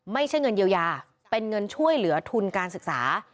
ไม่ใช่เงินเยียวยาเป็นเงินช่วยเหลือทุนการศึกษา